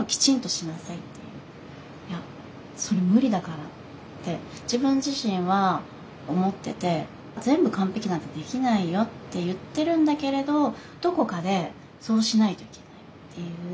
「いやそれ無理だから」って自分自身は思ってて全部完璧なんてできないよって言ってるんだけれどどこかでそうしないといけないっていう。